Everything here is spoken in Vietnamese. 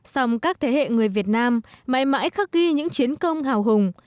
sòng các thế hệ người việt nam mãi mãi khắc ghi những chiến công hào hùng